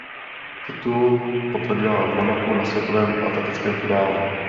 Titul potvrdila v Monaku na světovém atletickém finále.